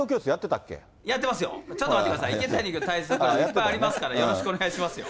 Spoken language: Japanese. やってますよ、ちょっと待ってください、池谷体操教室いっぱいありますから、よろしくお願いしますよ。